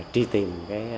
tri tìm cái